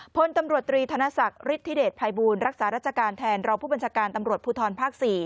พลตำรวจตรีธนศักดิ์ฤทธิเดชภัยบูลรักษาราชการแทนรองผู้บัญชาการตำรวจภูทรภาค๔